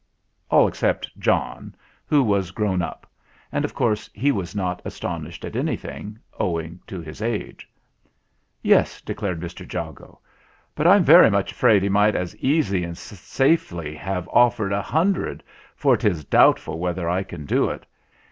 All except John, who was grown up; and, of course, he was not astonished at anything, owing to his age. "Yes," declared Mr. Jago; "but I'm very much afraid he might as easy and safely have offered a hundred, for 'tis doubtful whether I can do it.